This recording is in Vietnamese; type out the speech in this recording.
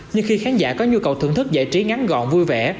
nhưng khi khán giả có nhu cầu thưởng thức giải trí ngắn gọn vui vẻ